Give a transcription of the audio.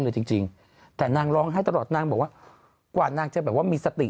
จริงจริงแต่นางร้องไห้ตลอดนางบอกว่ากว่านางจะแบบว่ามีสติ